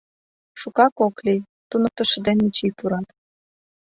Шукак ок лий, туныктышо ден Мичий пурат.